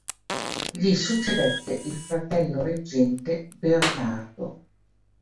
Gli succedette il fratello reggente Bernardo.